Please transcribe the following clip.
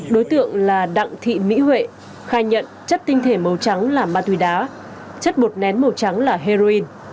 đối tượng là đặng thị mỹ huệ khai nhận chất tinh thể màu trắng là ma túy đá chất bột nén màu trắng là heroin